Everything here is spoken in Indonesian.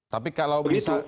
tapi kalau bisa